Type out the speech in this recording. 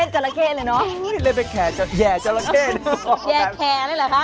เค้าไม่เลือกคนแหย่หน่อยล่ะคะ